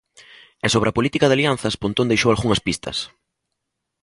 E sobre a política de alianzas, Pontón deixou algunhas pistas.